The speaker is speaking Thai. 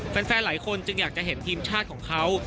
แฟนหลายคนจึงอยากจะเห็นทีมชาติของเขา